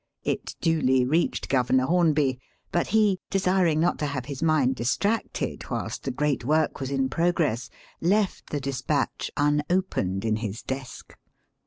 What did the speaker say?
It duly reached Governor Hornby ; but he, desiring not to have his mind distracted whilst the great work was in pro gress, left the despatch unopened in his desk.